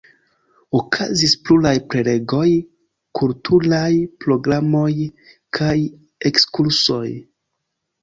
Okazis pluraj prelegoj, kulturaj programoj kaj ekskursoj.